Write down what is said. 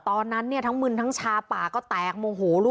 ตอนนั้นเนี่ยทั้งมึนทั้งชาป่าก็แตกโมโหลูก